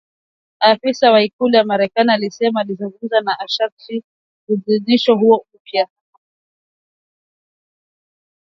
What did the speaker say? Afisa wa Ikulu ya Marekani alisema akizungumza kwa sharti la kutotajwa jina ili aweze kuzungumzia uidhinishaji huo mpya.